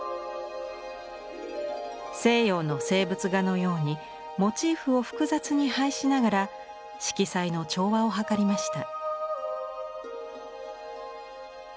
西洋の静物画のようにモチーフを複雑に配しながら色彩の調和を図りました。